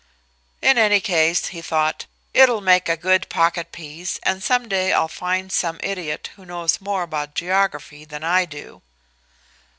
"In any case," he thought, "it'll make a good pocket piece and some day I'll find some idiot who knows more about geography than I do."